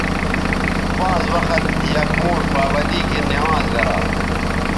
پانز وخت یک موݜ پابندی گھن نمازگرا